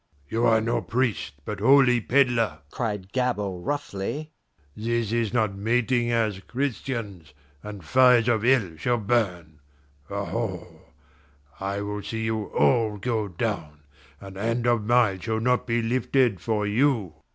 "You are no priest, but holy peddler!" cried Gabord roughly. "This is not mating as Christians, and fires of hell shall burn aho! I will see you all go down, and hand of mine shall not be lifted for you!"